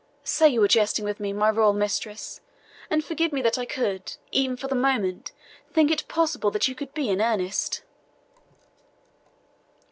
Say you were jesting with me, my royal mistress, and forgive me that I could, even for a moment, think it possible you could be in earnest!"